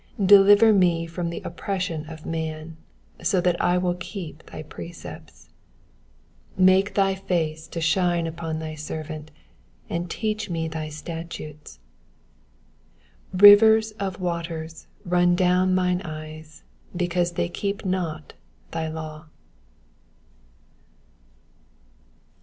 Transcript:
1 34 Deliver me from the oppression of man : so will I keep thy precepts. 135 Make thy face to shine upon thy servant; and teach me thy statutes. 136 Rivers of waters run down mine eyes, because they keep not thy law.